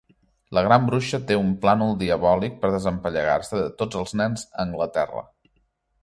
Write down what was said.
La Gran Bruixa té un plànol diabòlic per desempallegar-se de tots els nens a Anglaterra.